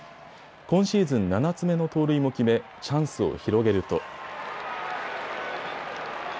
今シーズン７つ目の盗塁も決め、チャンスを広げると。